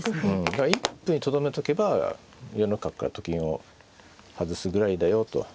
一歩にとどめとけば４六角からと金を外すぐらいだよと。